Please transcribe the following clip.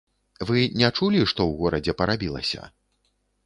Вы не чулі, што ў горадзе парабілася?